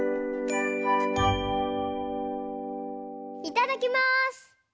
いただきます！